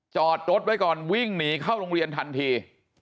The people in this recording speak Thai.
จอดรถไว้ก่อนวิ่งหนีเข้าโรงเรียนทันที